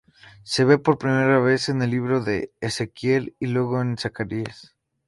Se ve por primera vez en el libro de Ezequiel y luego en Zacarías.